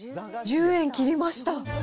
１０円切りました。